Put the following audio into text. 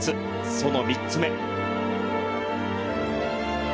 その３つ目。